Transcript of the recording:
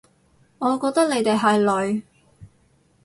我覺得你哋係女